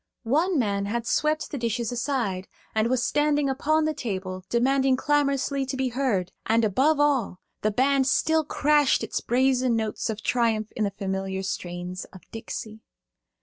One man had swept the dishes aside, and was standing upon the table, demanding clamorously to be heard, and above all the band still crashed its brazen notes of triumph in the familiar strains of "Dixie."